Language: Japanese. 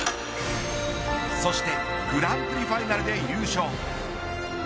そしてグランプリファイナルで優勝。